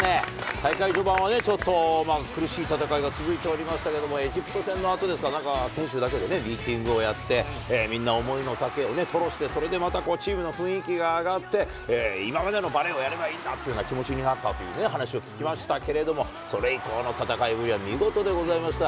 大会序盤はね、ちょっと苦しい戦いが続いておりましたけれども、エジプト戦のあとですか、なんか選手だけでミーティングをやって、みんな思いのたけを吐露して、それでまたチームの雰囲気が上がって、今までのバレーをやればいいんだっていう気持ちになったという話を聞きましたけれども、それ以降の戦いぶりは見事でございました。